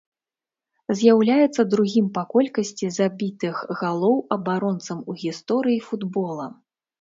З'яўляецца другім па колькасці забітых галоў абаронцам у гісторыі футбола.